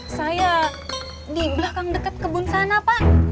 saya di belakang dekat kebun sana pak